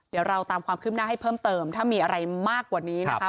เดี๋ยวเราตามความคืบหน้าให้เพิ่มเติมถ้ามีอะไรมากกว่านี้นะคะ